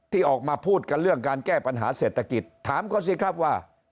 ที่ออกมาพูดกันเรื่องการแก้ปัญหาเศรษฐกิจถามเขาสิครับว่า